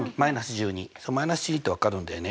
−１２って分かるんだよね。